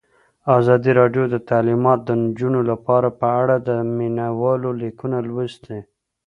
ازادي راډیو د تعلیمات د نجونو لپاره په اړه د مینه والو لیکونه لوستي.